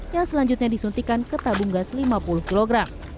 yang selanjutnya disuntikan ke tabung gas lima puluh kg